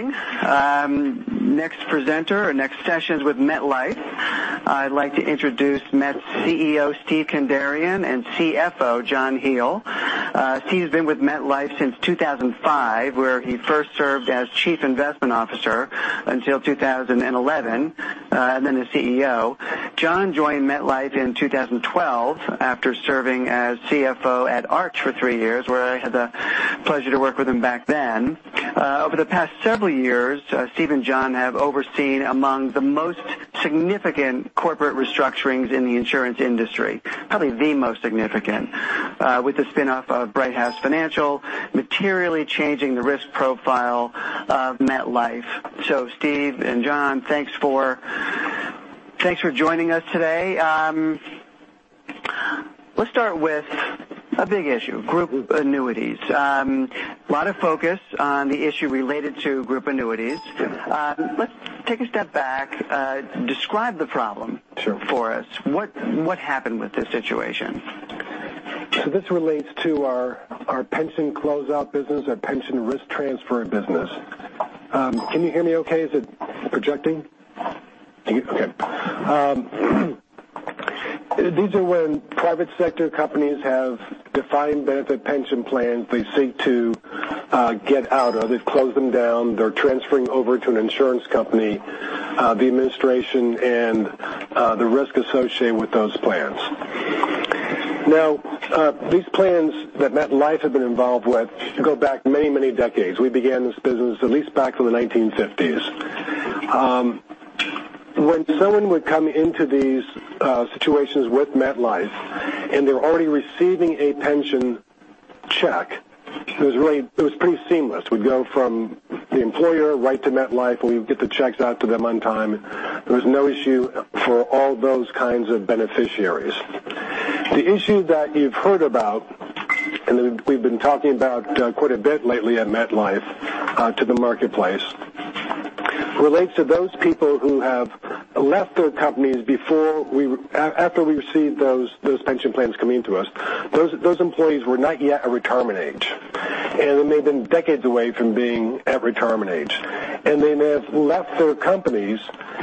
Morning. Next presenter or next session is with MetLife. I'd like to introduce Met's CEO, Steve Kandarian, and CFO, John Hele. Steve's been with MetLife since 2005, where he first served as chief investment officer until 2011, then the CEO. John joined MetLife in 2012 after serving as CFO at Arch for three years, where I had the pleasure to work with him back then. Over the past several years, Steve and John have overseen among the most significant corporate restructurings in the insurance industry, probably the most significant, with the spinoff of Brighthouse Financial materially changing the risk profile of MetLife. Steve and John, thanks for joining us today. Let's start with a big issue, group annuities. A lot of focus on the issue related to group annuities. Sure. Let's take a step back. Describe the problem- Sure for us. What happened with this situation? This relates to our pension closeout business, our pension risk transfer business. Can you hear me okay? Is it projecting? Okay. These are when private sector companies have defined benefit pension plans they seek to get out of. They've closed them down. They're transferring over to an insurance company, the administration, and the risk associated with those plans. These plans that MetLife have been involved with go back many, many decades. We began this business at least back in the 1950s. When someone would come into these situations with MetLife, and they were already receiving a pension check, it was pretty seamless. We'd go from the employer right to MetLife, where we would get the checks out to them on time. There was no issue for all those kinds of beneficiaries. The issue that you've heard about, and that we've been talking about quite a bit lately at MetLife to the marketplace, relates to those people who have left their companies after we received those pension plans coming to us. Those employees were not yet at retirement age, and they may have been decades away from being at retirement age. They may have left their companies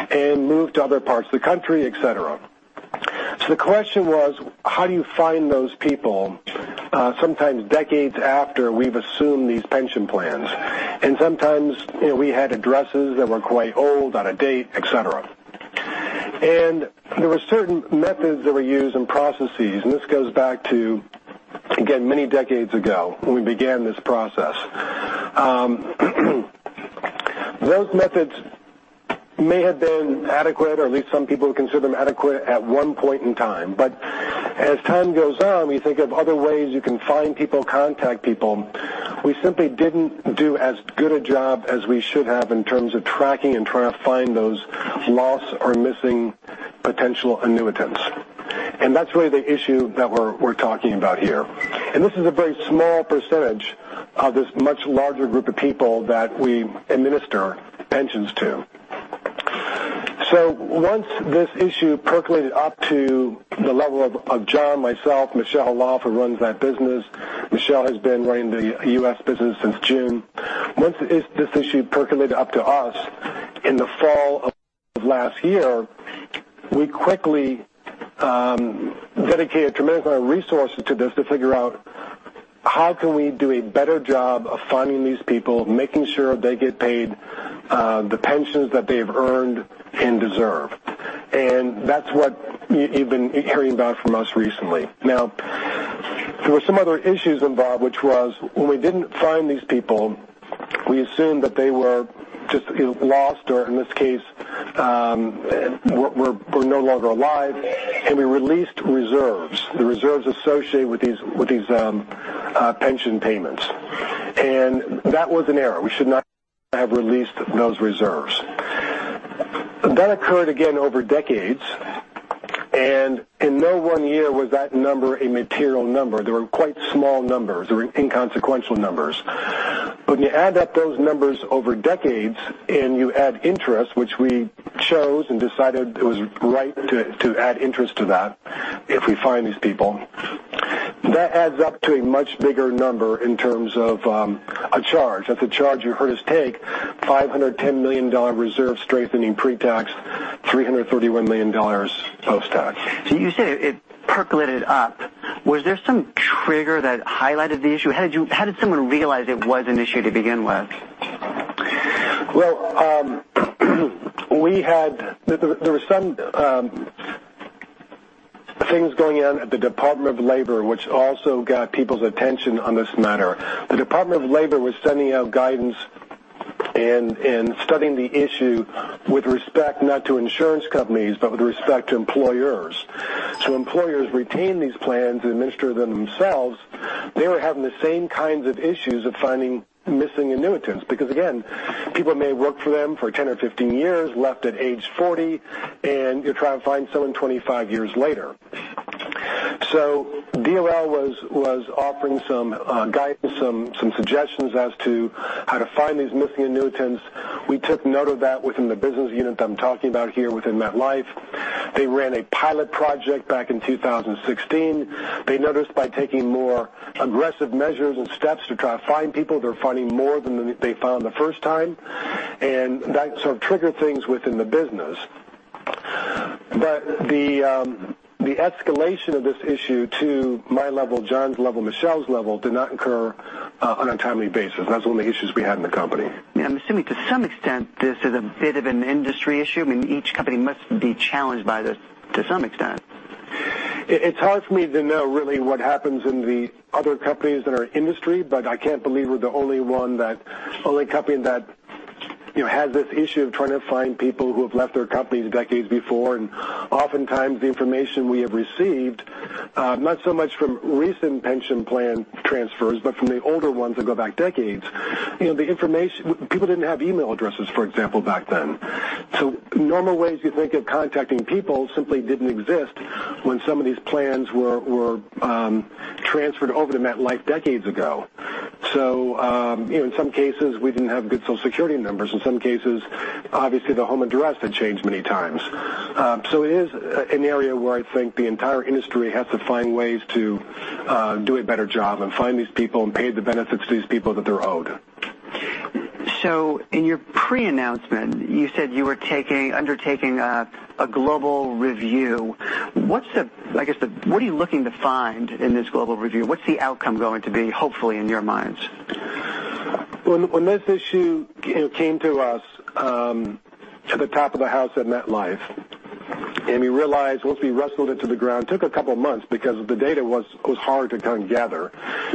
and moved to other parts of the country, et cetera. The question was, how do you find those people, sometimes decades after we've assumed these pension plans? Sometimes we had addresses that were quite old, out of date, et cetera. There were certain methods that were used and processes, and this goes back to, again, many decades ago, when we began this process. Those methods may have been adequate, or at least some people consider them adequate at one point in time. As time goes on, we think of other ways you can find people, contact people. We simply didn't do as good a job as we should have in terms of tracking and trying to find those lost or missing potential annuitants. That's really the issue that we're talking about here. This is a very small percentage of this much larger group of people that we administer pensions to. Once this issue percolated up to the level of John, myself, Michel Khalaf, who runs that business. Michel has been running the U.S. business since June. Once this issue percolated up to us in the fall of last year, we quickly dedicated a tremendous amount of resources to this to figure out how can we do a better job of finding these people, making sure they get paid the pensions that they've earned and deserve. That's what you've been hearing about from us recently. Now, there were some other issues involved, which was when we didn't find these people, we assumed that they were just lost or, in this case, were no longer alive, and we released reserves, the reserves associated with these pension payments. That was an error. We should not have released those reserves. That occurred again over decades, and in no one year was that number a material number. They were quite small numbers. They were inconsequential numbers. When you add up those numbers over decades and you add interest, which we chose and decided it was right to add interest to that if we find these people, that adds up to a much bigger number in terms of a charge. That's a charge you heard us take, $510 million reserve strengthening pre-tax, $331 million post-tax. Was there some trigger that highlighted the issue? How did someone realize it was an issue to begin with? There were some things going on at the Department of Labor, which also got people's attention on this matter. The Department of Labor was sending out guidance and studying the issue with respect not to insurance companies, but with respect to employers. Employers retain these plans and administer them themselves. They were having the same kinds of issues of finding missing annuitants. Because again, people may have worked for them for 10 or 15 years, left at age 40, and you're trying to find someone 25 years later. DOL was offering some guidance, some suggestions as to how to find these missing annuitants. We took note of that within the business unit that I'm talking about here within MetLife. They ran a pilot project back in 2016. They noticed by taking more aggressive measures and steps to try to find people, they're finding more than they found the first time, and that sort of triggered things within the business. The escalation of this issue to my level, John's level, Michel's level, did not occur on a timely basis. That's one of the issues we had in the company. I'm assuming to some extent, this is a bit of an industry issue. I mean, each company must be challenged by this to some extent. It's hard for me to know really what happens in the other companies in our industry, but I can't believe we're the only company that has this issue of trying to find people who have left their companies decades before. Oftentimes, the information we have received, not so much from recent pension plan transfers, but from the older ones that go back decades. People didn't have email addresses, for example, back then. Normal ways you think of contacting people simply didn't exist when some of these plans were transferred over to MetLife decades ago. In some cases, we didn't have good Social Security numbers. In some cases, obviously, the home address had changed many times. It is an area where I think the entire industry has to find ways to do a better job and find these people and pay the benefits to these people that they're owed. In your pre-announcement, you said you were undertaking a global review. What are you looking to find in this global review? What's the outcome going to be, hopefully, in your minds? When this issue came to us, to the top of the house at MetLife, we realized once we wrestled it to the ground, took a couple of months because the data was hard to kind of gather.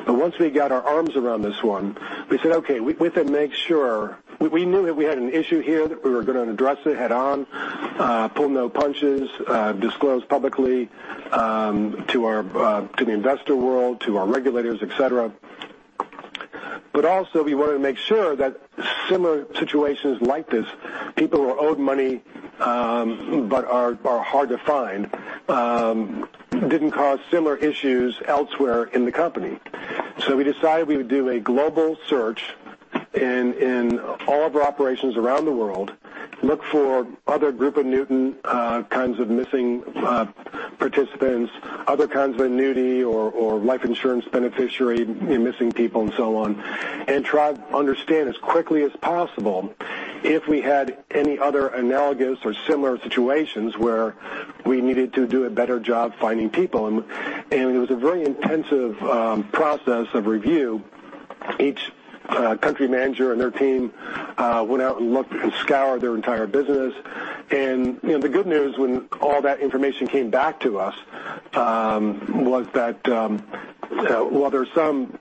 Once we got our arms around this one, we said, "Okay." We knew that we had an issue here, that we were going to address it head on, pull no punches, disclose publicly to the investor world, to our regulators, et cetera. We wanted to make sure that similar situations like this, people who are owed money but are hard to find, didn't cause similar issues elsewhere in the company. We decided we would do a global search in all of our operations around the world, look for other Group annuity kinds of missing participants, other kinds of annuity or life insurance beneficiary, missing people, and so on, and try understand as quickly as possible if we had any other analogous or similar situations where we needed to do a better job finding people. It was a very intensive process of review. Each country manager and their team went out and looked and scoured their entire business. The good news when all that information came back to us was that while there are some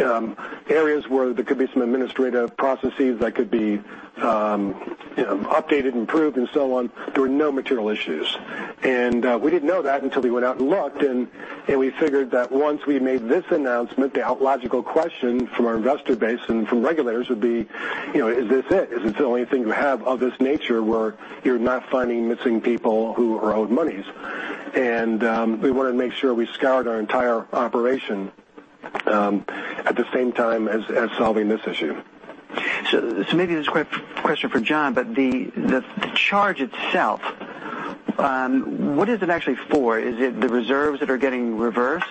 areas where there could be some administrative processes that could be updated, improved, and so on, there were no material issues. We didn't know that until we went out and looked. We figured that once we made this announcement, the logical question from our investor base and from regulators would be, is this it? Is this the only thing you have of this nature where you're not finding missing people who are owed monies? We wanted to make sure we scoured our entire operation at the same time as solving this issue. Maybe this is a quick question for John, but the charge itself, what is it actually for? Is it the reserves that are getting reversed?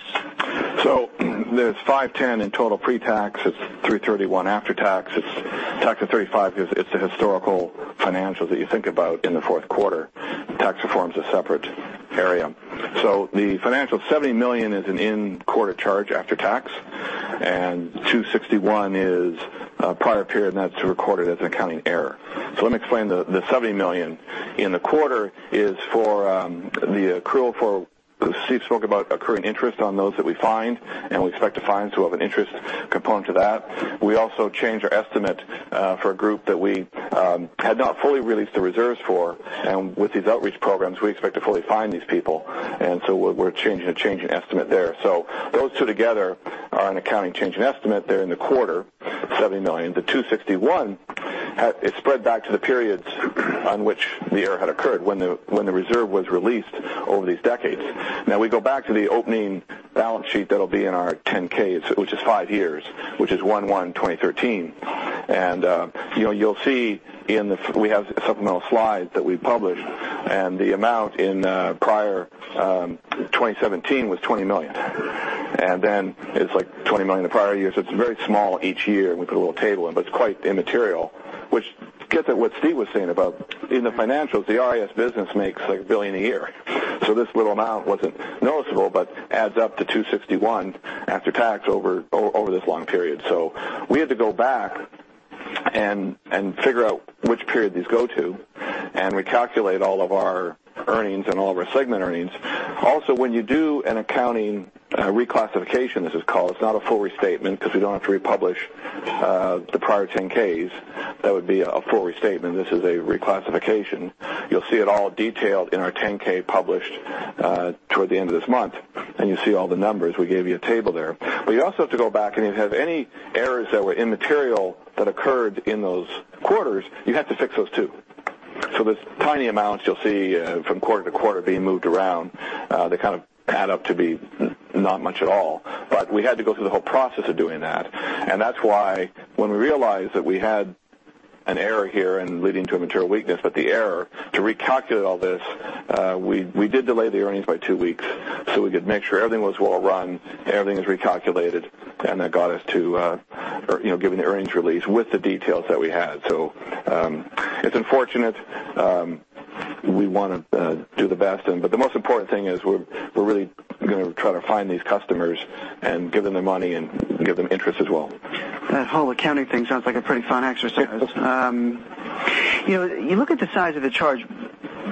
There's $510 in total pre-tax. It's $331 after tax. It's tax of $35 because it's a historical financial that you think about in the fourth quarter. Tax reform is a separate area. The financial, $70 million is an in-quarter charge after tax, and $261 is prior period, and that's recorded as an accounting error. Let me explain the $70 million. In the quarter is for the accrual for, Steve spoke about accruing interest on those that we find, and we expect to find, so we'll have an interest component to that. We also changed our estimate for a group that we had not fully released the reserves for. With these outreach programs, we expect to fully find these people, and so we're changing the changing estimate there. Those two together are an accounting change in estimate there in the quarter, $70 million. The $261 is spread back to the periods on which the error had occurred when the reserve was released over these decades. We go back to the opening balance sheet that'll be in our 10-K, which is five years, which is 01/01/2013. You'll see we have supplemental slides that we published, the amount in prior 2017 was $20 million. Then it's like $20 million the prior years. It's very small each year, and we put a little table in, but it's quite immaterial, which gets at what Steve was saying about in the financials, the RIS business makes like $1 billion a year. This little amount wasn't noticeable but adds up to $261 after tax over this long period. We had to go back and figure out which period these go to, and recalculate all of our earnings and all of our segment earnings. Also, when you do an accounting reclassification, as it's called, it's not a full restatement because we don't have to republish the prior 10-Ks. That would be a full restatement. This is a reclassification. You'll see it all detailed in our 10-K published toward the end of this month. You see all the numbers. We gave you a table there. You also have to go back and if you have any errors that were immaterial that occurred in those quarters, you have to fix those, too. There's tiny amounts you'll see from quarter to quarter being moved around that kind of add up to be not much at all. We had to go through the whole process of doing that. That's why when we realized that we had An error here and leading to a material weakness, but the error to recalculate all this, we did delay the earnings by two weeks so we could make sure everything was well run, everything was recalculated, and that got us to giving the earnings release with the details that we had. It's unfortunate. We want to do the best, but the most important thing is we're really going to try to find these customers and give them their money and give them interest as well. That whole accounting thing sounds like a pretty fun exercise. You look at the size of the charge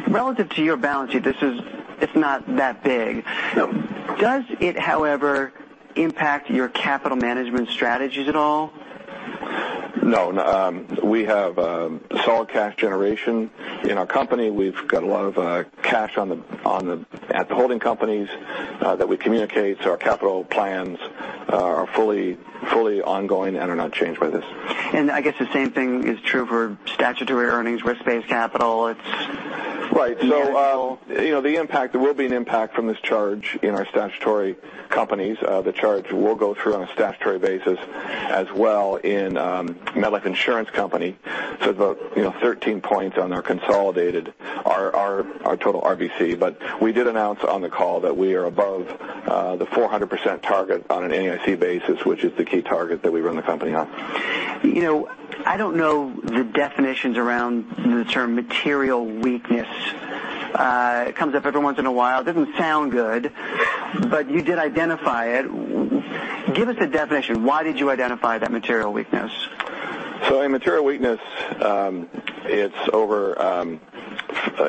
relative to your balance sheet, it's not that big. No. Does it, however, impact your capital management strategies at all? No. We have a solid cash generation in our company. We've got a lot of cash at the holding companies that we communicate. Our capital plans are fully ongoing and are not changed by this. I guess the same thing is true for statutory earnings, risk-based capital. Right. There will be an impact from this charge in our statutory companies. The charge will go through on a statutory basis as well in Metropolitan Life Insurance Company. About 13 points on our consolidated, our total RBC. We did announce on the call that we are above the 400% target on an NAIC basis, which is the key target that we run the company on. I don't know the definitions around the term material weakness. It comes up every once in a while. Doesn't sound good, but you did identify it. Give us a definition. Why did you identify that material weakness? A material weakness, it's over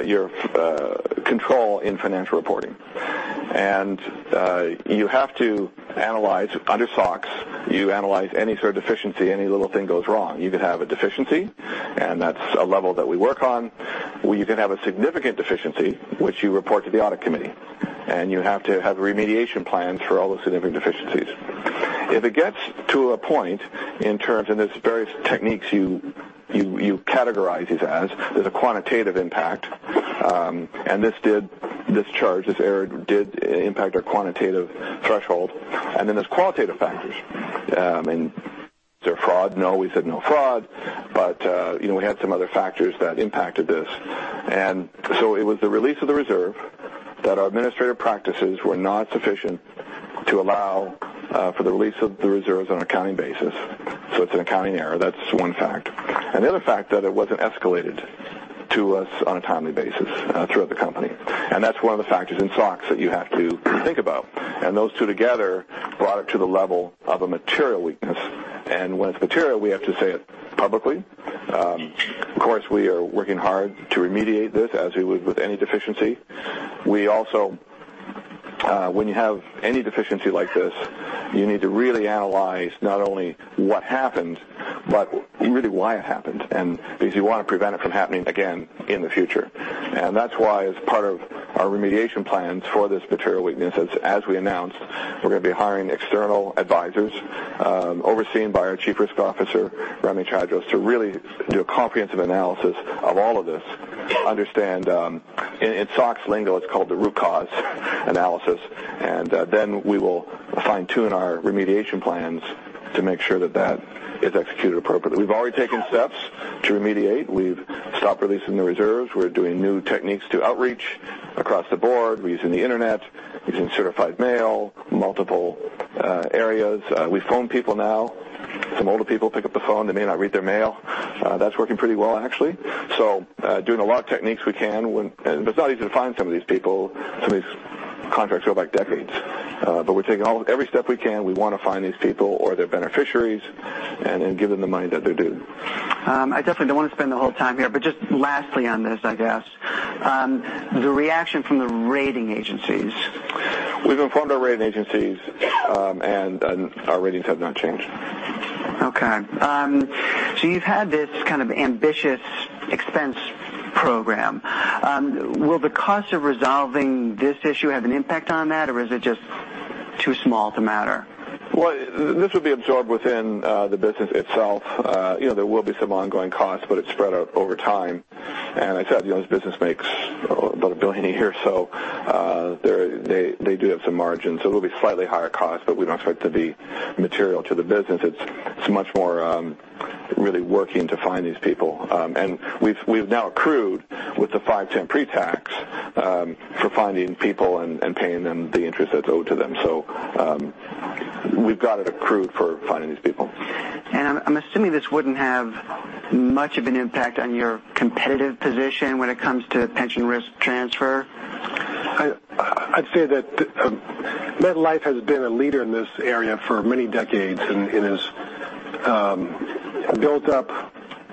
your control in financial reporting. You have to analyze under SOX, you analyze any sort of deficiency, any little thing goes wrong. You could have a deficiency, and that's a level that we work on. You can have a significant deficiency, which you report to the audit committee, and you have to have remediation plans for all the significant deficiencies. If it gets to a point in terms, and there's various techniques you categorize these as, there's a quantitative impact. This did discharge, this error did impact our quantitative threshold. Then there's qualitative factors. I mean, is there fraud? No, we said no fraud. We had some other factors that impacted this. It was the release of the reserve that our administrative practices were not sufficient to allow for the release of the reserves on an accounting basis. It's an accounting error. That's one fact. The other fact that it wasn't escalated to us on a timely basis throughout the company. That's one of the factors in SOX that you have to think about. Those two together brought it to the level of a material weakness. When it's material, we have to say it publicly. Of course, we are working hard to remediate this as we would with any deficiency. When you have any deficiency like this, you need to really analyze not only what happened, but really why it happened, and because you want to prevent it from happening again in the future. That's why as part of our remediation plans for this material weakness, as we announced, we're going to be hiring external advisors, overseen by our Chief Risk Officer, Ramy Tadros, to really do a comprehensive analysis of all of this. Understand in SOX lingo, it's called the root cause analysis, then we will fine-tune our remediation plans to make sure that that is executed appropriately. We've already taken steps to remediate. We've stopped releasing the reserves. We're doing new techniques to outreach across the board. We're using the internet, using certified mail, multiple areas. We phone people now. Some older people pick up the phone. They may not read their mail. That's working pretty well, actually. Doing a lot of techniques we can when, but it's not easy to find some of these people. Some of these contracts go back decades. We're taking every step we can. We want to find these people or their beneficiaries and give them the money that they're due. I definitely don't want to spend the whole time here, but just lastly on this, I guess. The reaction from the rating agencies. We've informed our rating agencies, and our ratings have not changed. Okay. You've had this kind of ambitious expense program. Will the cost of resolving this issue have an impact on that, or is it just too small to matter? Well, this will be absorbed within the business itself. There will be some ongoing costs, but it's spread out over time. As I said, this business makes about $1 billion a year, so they do have some margins. It'll be slightly higher cost, but we don't expect it to be material to the business. It's much more really working to find these people. We've now accrued with the $510 pre-tax for finding people and paying them the interest that's owed to them. We've got it accrued for finding these people. I'm assuming this wouldn't have much of an impact on your competitive position when it comes to pension risk transfer? I'd say that MetLife has been a leader in this area for many decades and has built up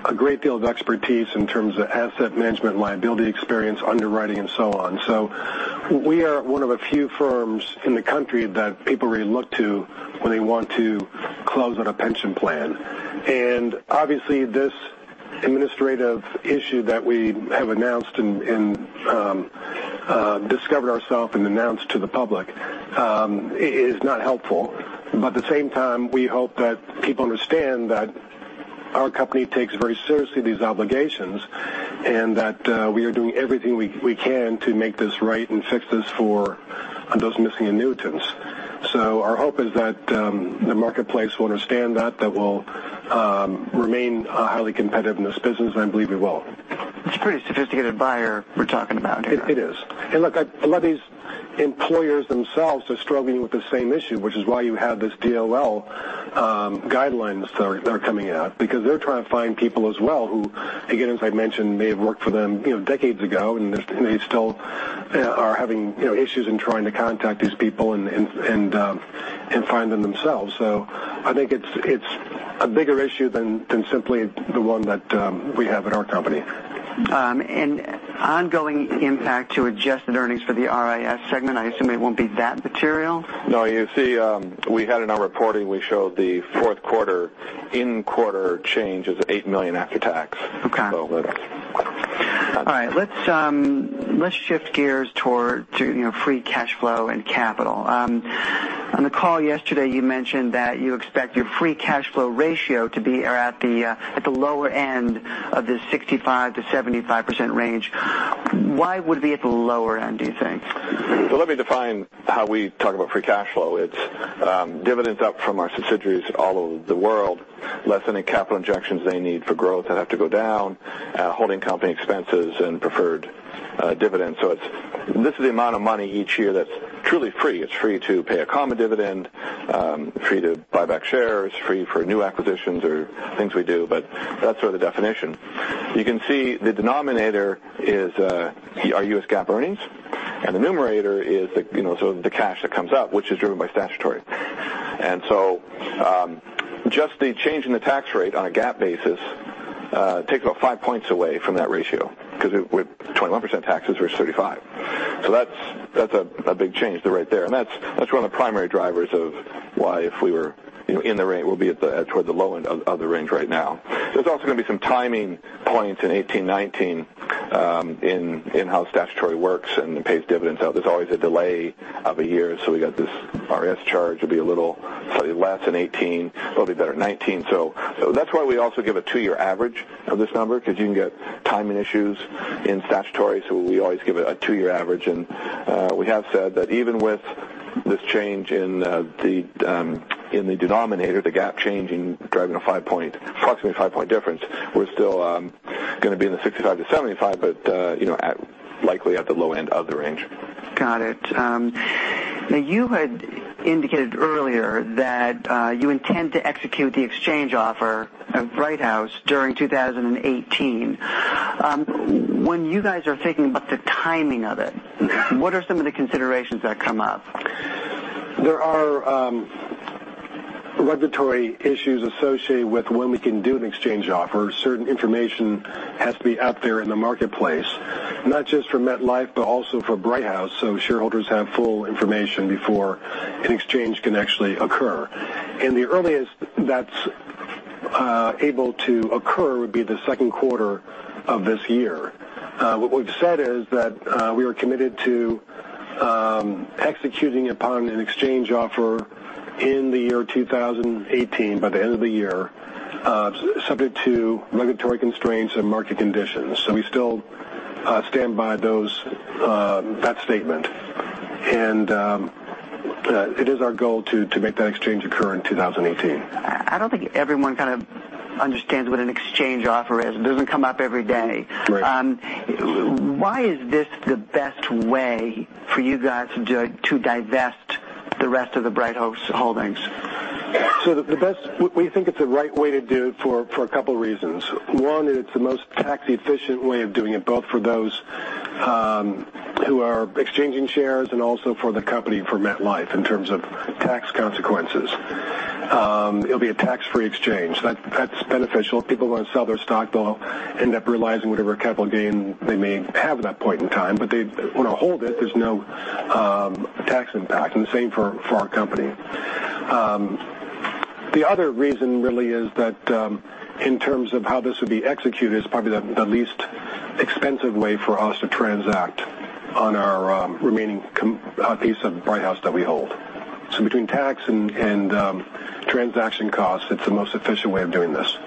a great deal of expertise in terms of asset management, liability experience, underwriting, and so on. We are one of a few firms in the country that people really look to when they want to close out a pension plan. Obviously, this administrative issue that we have announced and discovered ourself and announced to the public is not helpful. At the same time, we hope that people understand that our company takes very seriously these obligations and that we are doing everything we can to make this right and fix this for those missing annuitants. Our hope is that the marketplace will understand that we'll remain highly competitive in this business, and I believe we will. It's a pretty sophisticated buyer we're talking about here. It is. Look, a lot of these employers themselves are struggling with the same issue, which is why you have these DOL guidelines that are coming out because they're trying to find people as well who, again, as I mentioned, may have worked for them decades ago, and they still are having issues in trying to contact these people and find them themselves. I think it's a bigger issue than simply the one that we have at our company. Ongoing impact to adjusted earnings for the RIS segment, I assume it won't be that material? No, you see, we had in our reporting, we showed the fourth quarter in-quarter change is at $8 million after tax. Okay. All right. Let's shift gears toward free cash flow and capital. On the call yesterday, you mentioned that you expect your free cash flow ratio to be at the lower end of the 65%-75% range. Why would it be at the lower end, do you think? Let me define how we talk about free cash flow. It's dividends up from our subsidiaries all over the world, less any capital injections they need for growth that have to go down, holding company expenses and preferred dividends. This is the amount of money each year that's truly free. It's free to pay a common dividend, free to buy back shares, free for new acquisitions or things we do. That's sort of the definition. You can see the denominator is our U.S. GAAP earnings, and the numerator is the sort of the cash that comes up, which is driven by statutory. Just the change in the tax rate on a GAAP basis takes about five points away from that ratio because with 21% taxes versus 35%. That's a big change right there. That's one of the primary drivers of why if we were in the range, we'll be toward the low end of the range right now. There's also going to be some timing points in 2018, 2019 in how statutory works and pays dividends out. There's always a delay of a year. We got this risk charge, it'll be a little slightly less in 2018, it'll be better 2019. That's why we also give a two-year average of this number because you can get timing issues in statutory, we always give a two-year average. We have said that even with this change in the denominator, the GAAP changing, driving approximately a five-point difference, we're still going to be in the 65%-75%, but likely at the low end of the range. Got it. You had indicated earlier that you intend to execute the exchange offer of Brighthouse during 2018. When you guys are thinking about the timing of it, what are some of the considerations that come up? There are regulatory issues associated with when we can do an exchange offer. Certain information has to be out there in the marketplace, not just for MetLife but also for Brighthouse, shareholders have full information before an exchange can actually occur. The earliest that's able to occur would be the second quarter of this year. What we've said is that we are committed to executing upon an exchange offer in the year 2018, by the end of the year, subject to regulatory constraints and market conditions. We still stand by that statement. It is our goal to make that exchange occur in 2018. I don't think everyone kind of understands what an exchange offer is. It doesn't come up every day. Right. Why is this the best way for you guys to divest the rest of the Brighthouse holdings? We think it's the right way to do for a couple of reasons. One is it's the most tax-efficient way of doing it, both for those who are exchanging shares and also for the company, for MetLife, in terms of tax consequences. It'll be a tax-free exchange. That's beneficial. People who want to sell their stock will end up realizing whatever capital gain they may have at that point in time. They want to hold it, there's no tax impact, and the same for our company. The other reason really is that in terms of how this would be executed, it's probably the least expensive way for us to transact on our remaining piece of Brighthouse that we hold. Between tax and transaction costs, it's the most efficient way of doing this.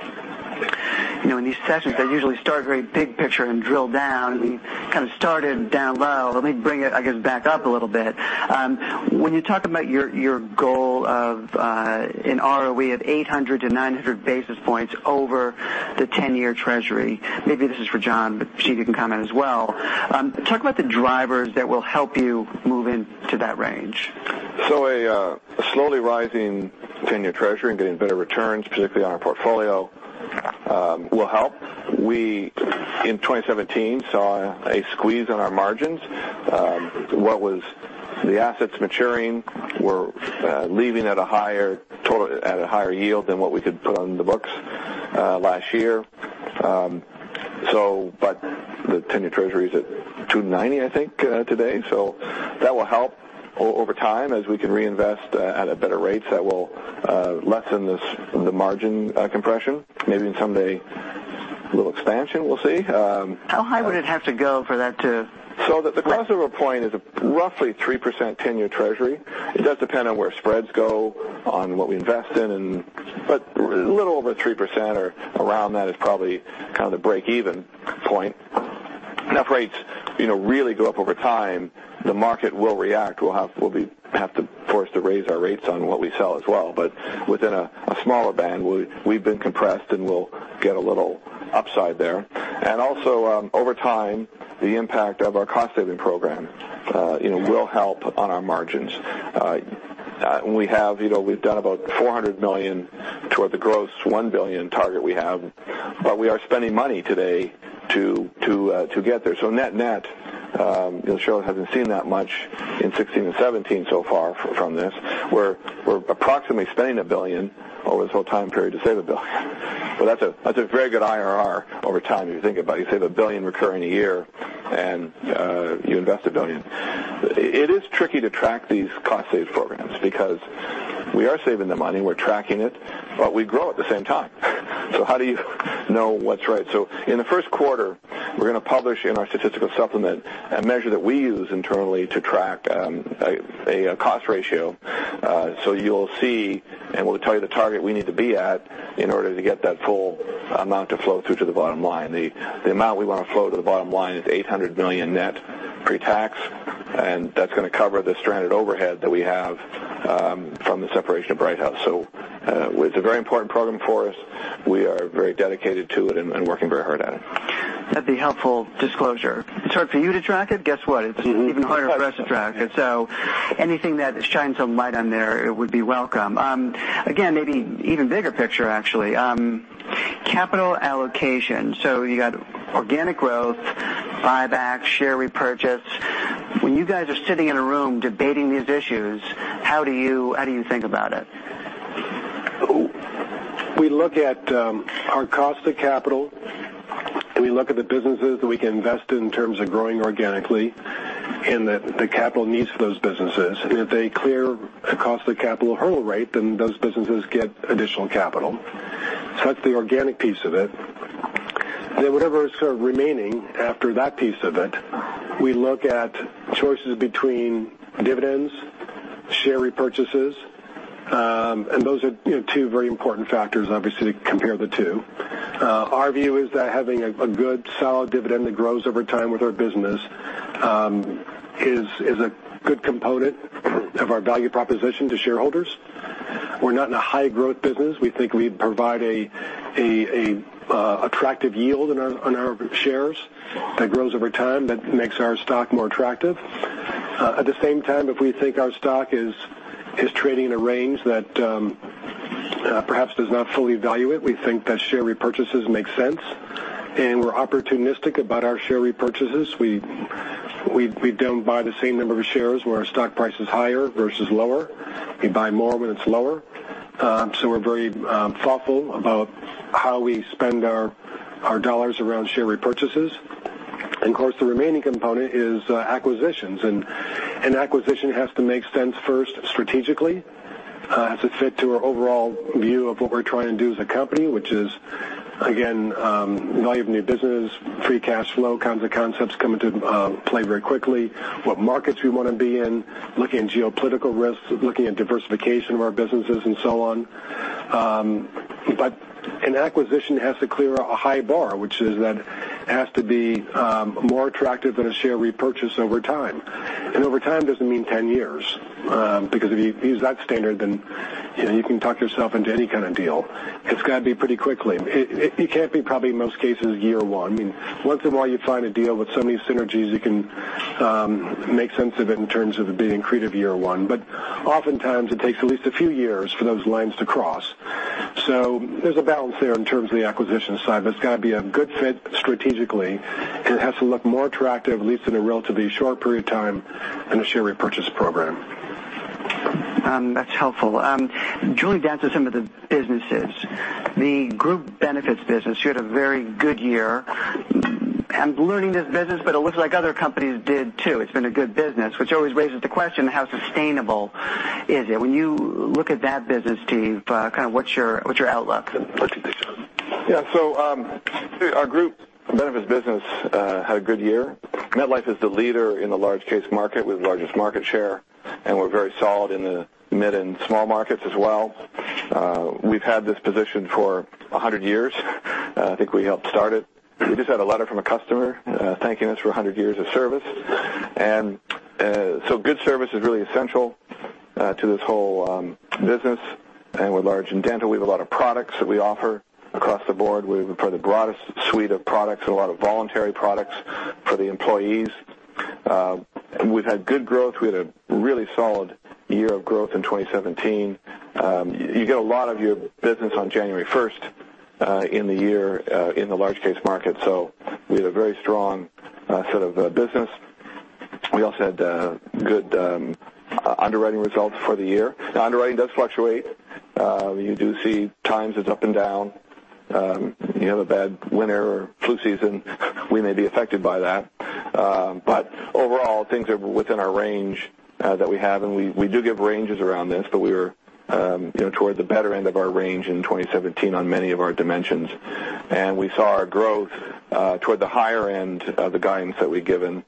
In these sessions, I usually start very big picture and drill down. We kind of started down low. Let me bring it, I guess, back up a little bit. When you talk about your goal of an ROE of 800-900 basis points over the 10-year treasury, maybe this is for John, but Steve, you can comment as well. Talk about the drivers that will help you move into that range. A slowly rising 10-year Treasury and getting better returns, particularly on our portfolio will help. We, in 2017, saw a squeeze on our margins. What was the assets maturing were leaving at a higher yield than what we could put on the books last year. The 10-year Treasury is at 290, I think, today. That will help over time as we can reinvest at better rates that will lessen the margin compression. Maybe someday a little expansion, we'll see. How high would it have to go for that to- The crossover point is roughly 3% 10-year Treasury. It does depend on where spreads go, on what we invest in. A little over 3% or around that is probably kind of the break-even point. If rates really go up over time, the market will react. We'll have to be forced to raise our rates on what we sell as well, but within a smaller band. We've been compressed, and we'll get a little upside there. Also, over time, the impact of our cost-saving program will help on our margins. We've done about $400 million toward the gross $1 billion target we have, but we are spending money today to get there. Net net, the shareholder hasn't seen that much in 2016 and 2017 so far from this. We're approximately spending $1 billion over this whole time period to save $1 billion. That's a very good IRR over time, if you think about it. You save $1 billion recurring a year, and you invest $1 billion. It is tricky to track these cost save programs because we are saving the money, we're tracking it, but we grow at the same time. How do you know what's right? In the first quarter, we're going to publish in our statistical supplement a measure that we use internally to track a cost ratio. You'll see, and we'll tell you the target we need to be at in order to get that full amount to flow through to the bottom line. The amount we want to flow to the bottom line is $800 million net pre-tax, and that's going to cover the stranded overhead that we have from the separation of Brighthouse. It's a very important program for us. We are very dedicated to it and working very hard at it. That'd be helpful disclosure. It's hard for you to track it. Guess what? It's even harder for us to track it, anything that shines some light on there would be welcome. Again, maybe even bigger picture, actually. Capital allocation. You got organic growth, buyback, share repurchase. When you guys are sitting in a room debating these issues, how do you think about it? We look at our cost of capital, and we look at the businesses that we can invest in terms of growing organically and the capital needs of those businesses. If they clear a cost of capital hurdle rate, then those businesses get additional capital. That's the organic piece of it. Whatever is sort of remaining after that piece of it, we look at choices between dividends, share repurchases, and those are two very important factors, obviously, to compare the two. Our view is that having a good, solid dividend that grows over time with our business is a good component of our value proposition to shareholders. We're not in a high-growth business. We think we provide an attractive yield on our shares that grows over time, that makes our stock more attractive. At the same time, if we think our stock is trading in a range that perhaps does not fully value it, we think that share repurchases make sense, and we're opportunistic about our share repurchases. We don't buy the same number of shares where our stock price is higher versus lower. We buy more when it's lower. We're very thoughtful about how we spend our dollars around share repurchases. Of course, the remaining component is acquisitions. An acquisition has to make sense first strategically. It has to fit to our overall view of what we're trying to do as a company, which is, again, value of new business, free cash flow, kinds of concepts come into play very quickly. What markets we want to be in, looking at geopolitical risks, looking at diversification of our businesses and so on. An acquisition has to clear a high bar, which is that it has to be more attractive than a share repurchase over time. Over time doesn't mean 10 years, because if you use that standard, then you can talk yourself into any kind of deal. It's got to be pretty quickly. It can't be probably, in most cases, year one. Once in a while, you find a deal with so many synergies you can make sense of it in terms of it being accretive year one. Oftentimes it takes at least a few years for those lines to cross. There's a balance there in terms of the acquisition side, but it's got to be a good fit strategically, and it has to look more attractive, at least in a relatively short period of time, than a share repurchase program. That's helpful. Going, down to some of the businesses. The Group Benefits business, you had a very good year. I'm learning this business, but it looks like other companies did too. It's been a good business, which always raises the question how sustainable is it? When you look at that business, Steve, what's your outlook? Our Group Benefits business had a good year. MetLife is the leader in the large case market. We have the largest market share, and we're very solid in the mid and small markets as well. We've had this position for 100 years. I think we helped start it. We just had a letter from a customer thanking us for 100 years of service. Good service is really essential to this whole business. We're large in dental. We have a lot of products that we offer across the board. We have probably the broadest suite of products, a lot of voluntary products for the employees. We've had good growth. We had a really solid year of growth in 2017. You get a lot of your business on January 1st in the year in the large case market. We had a very strong sort of business. We also had good underwriting results for the year. Underwriting does fluctuate. You do see times it's up and down. You have a bad winter or flu season, we may be affected by that. Overall, things are within our range that we have, and we do give ranges around this, but we were toward the better end of our range in 2017 on many of our dimensions. We saw our growth toward the higher end of the guidance that we'd given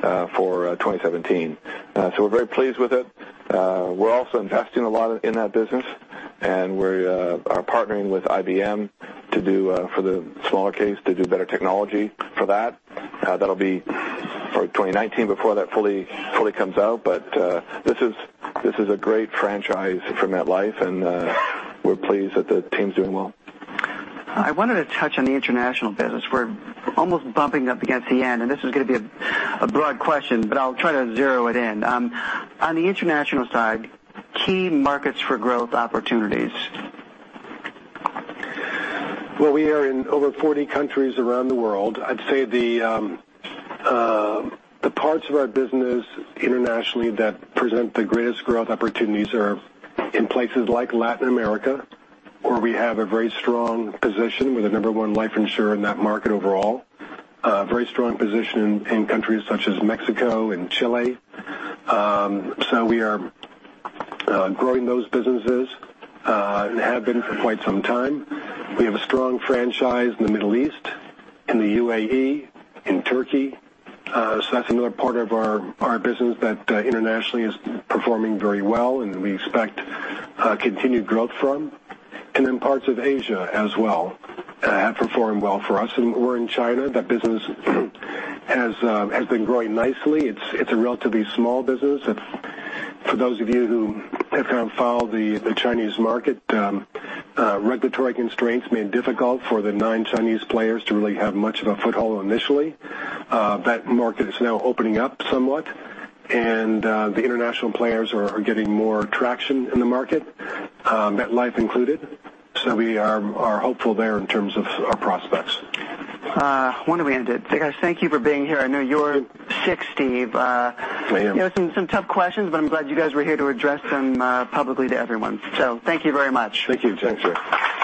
For 2017. We're very pleased with it. We're also investing a lot in that business. We are partnering with IBM for the smaller case to do better technology for that. That'll be for 2019 before that fully comes out. This is a great franchise for MetLife, and we're pleased that the team's doing well. I wanted to touch on the international business. We're almost bumping up against the end. This is going to be a broad question. I'll try to zero it in. On the international side, key markets for growth opportunities. We are in over 40 countries around the world. I'd say the parts of our business internationally that present the greatest growth opportunities are in places like Latin America, where we have a very strong position. We're the number one life insurer in that market overall. A very strong position in countries such as Mexico and Chile. We are growing those businesses, and have been for quite some time. We have a strong franchise in the Middle East, in the UAE, in Turkey. That's another part of our business that internationally is performing very well and we expect continued growth from. In parts of Asia as well, have performed well for us. We're in China. That business has been growing nicely. It's a relatively small business. For those of you who have kind of followed the Chinese market, regulatory constraints made it difficult for the non-Chinese players to really have much of a foothold initially. That market is now opening up somewhat. The international players are getting more traction in the market, MetLife included. We are hopeful there in terms of our prospects. Why don't we end it? Guys, thank you for being here. I know you're sick, Steve. I am. Some tough questions, but I'm glad you guys were here to address them publicly to everyone. Thank you very much. Thank you. Thanks, sir.